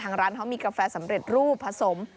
ร้านเขามีกาแฟสำเร็จรูปผสม